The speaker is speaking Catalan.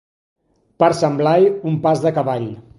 Per Sant Blai, un pas de cavall.